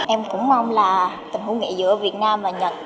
em cũng mong là tình huống nghệ giữa việt nam và nhật